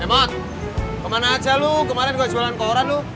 emot kemana aja lu kemarin gue jualan koran lu